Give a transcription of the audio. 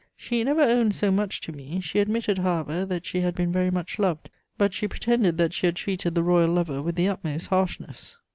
She never owned so much to me: she admitted, however, that she had been very much loved, but she pretended that she had treated the royal lover with the utmost harshness.